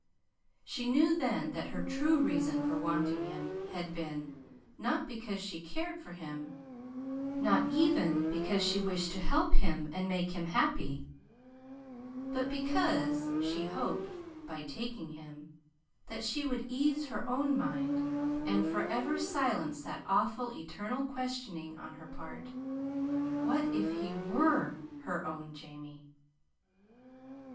She knew then that her true reason for wanting him had been not because she cared for him, not even because she wished to help him and make him happy but because she hoped, by taking him, that she would ease her own mind, and forever silence that awful eternal questioning on her part: "What if he WERE her own Jamie?"